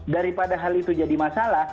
daripada hal itu jadi masalah